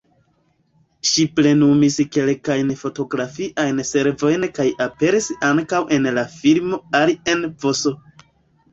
Ŝi plenumis kelkajn fotografiajn servojn kaj aperis ankaŭ en la filmo "Alien vs.